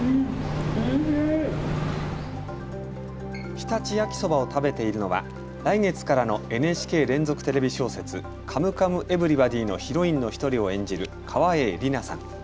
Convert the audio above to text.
常陸秋そばを食べているのは来月からのＮＨＫ連続テレビ小説、カムカムエヴリバディのヒロインの１人を演じる川栄李奈さん。